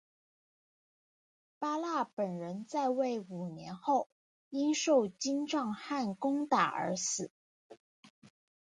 八剌本人在位五年后因受金帐汗攻打而死。